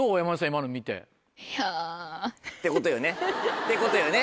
今のを見て。ってことよねってことよね。